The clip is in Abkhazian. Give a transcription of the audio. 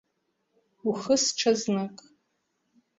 Ухыс ҽазнык!